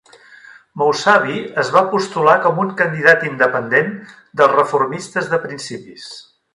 Mousavi es va postular com un candidat independent dels Reformistes de Principis.